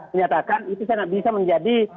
menyatakan itu sangat bisa menjadi